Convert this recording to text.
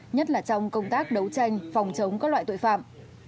nhất là trong công tác đấu tranh phòng chống các loại tội phạm